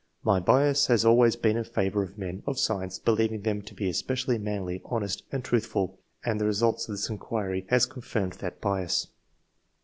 My bias has always been in favour of men of science, believing them to be especially manly, honest, and truth ful, and the results of this inquiry has con firmed that bias.